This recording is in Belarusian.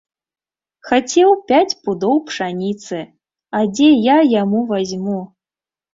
Хацеў пяць пудоў пшаніцы, а дзе я яму вазьму.